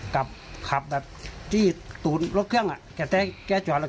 กลับขับแบบจี้ตูนรถเครื่องอ่ะแกแจ้งแกจอดแล้ว